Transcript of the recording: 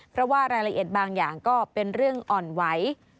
เพราะว่ารายละเอียดบางอย่างก็เป็นเรื่องอ่อนไหว